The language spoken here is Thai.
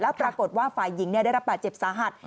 แล้วปรากฏว่าฝ่ายหญิงได้รับบาดเจ็บสาหัส